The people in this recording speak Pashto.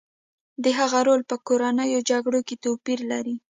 د هغه رول په کورنیو جګړو کې توپیر لري